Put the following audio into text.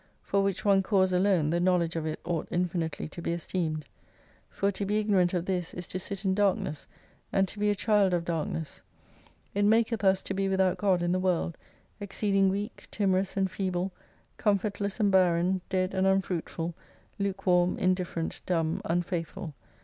For which one cause alone the knowledge of it ought infi nitely to be esteemed. For to be ignorant of this, is to sit in darkness, and to be a child of darkness : it maketh us to be without God in the world, exceeding weak, timorous, and feeble, comfortless and barren, dead and unfruitftd, lukewarm, indifferent, dumb, unfaithful.